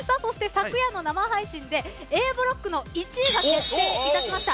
昨夜の生配信でＡブロックの１位が決定いたしました。